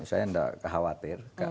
saya gak ada kekhawatiran